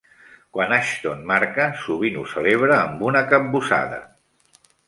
Quan Ashton marca, sovint ho celebra amb una "capbussada".